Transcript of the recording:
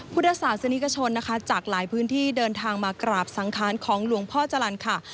พุทธศาสนิกชนนะคะจากหลายพื้นที่เดินทางมากราบสังคารของหลวงพ่อจรรย์ค่ะ